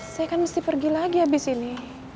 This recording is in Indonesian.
saya kan mesti pergi lagi habis ini